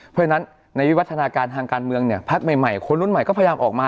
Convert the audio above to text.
เพราะฉะนั้นในวิวัฒนาการทางการเมืองเนี่ยพักใหม่คนรุ่นใหม่ก็พยายามออกมา